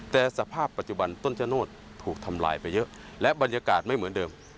แต่สภาพปัจจุบันต้นชะโนธถูกทำลายไปเยอะและบรรยากาศไม่เหมือนเดิม